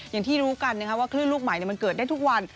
อย่างที่รู้กันว่าคลื่นลูกใหม่มันเกิดได้ทุกวัน